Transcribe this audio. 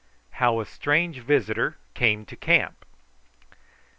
HOW A STRANGE VISITOR CAME TO CAMP.